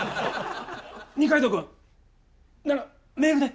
二階堂君ならメールで。